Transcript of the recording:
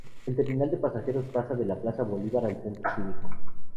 El terminal de pasajeros pasa de la plaza Bolívar al Centro Cívico.